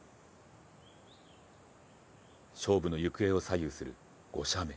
勝負の行方を左右する５射目。